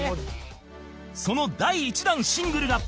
その第１弾シングルが